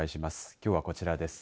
きょうはこちらです。